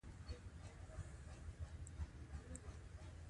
دغو مدرسو ته په درنه سترګه ګوري.